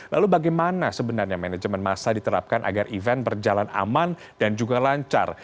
lalu bagaimana sebenarnya manajemen masa diterapkan agar event berjalan aman dan juga lancar